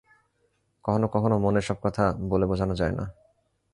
কখনো কখনো মনের সব কথা বলে বুঝানো যায় না।